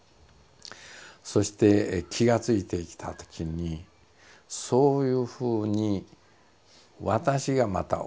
そして気が付いてきたときにそういうふうに私がまた思っているということでね